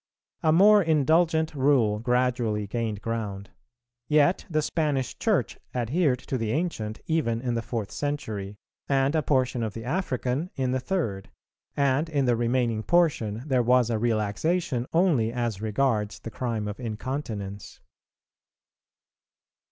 A more indulgent rule gradually gained ground; yet the Spanish Church adhered to the ancient even in the fourth century, and a portion of the African in the third, and in the remaining portion there was a relaxation only as regards the crime of incontinence.